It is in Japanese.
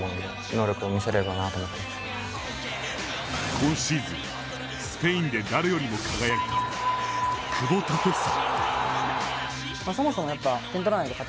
今シーズン、スペインで誰よりも輝いた久保建英。